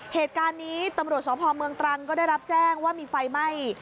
เหตุการณ์นี้ตำรวจสพเมืองตรังก็ได้รับแจ้งว่ามีไฟไหม้